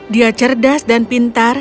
dia cerdas dan pintar